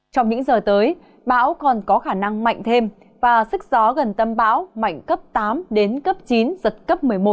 trong những giờ tới bão còn có khả năng mạnh thêm và sức gió gần tâm bão mạnh cấp tám đến cấp chín giật cấp một mươi một